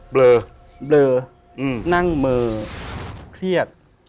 เปลือเปลือนั่งเมลงเครียด